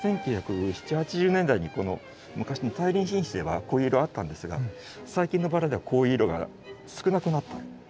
１９７０８０年代にこの昔の大輪品種ではこういう色あったんですが最近のバラではこういう色が少なくなったんです。